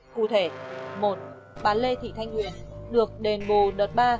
cụ thể một bà lê thị thanh huyền được đền bù đợt ba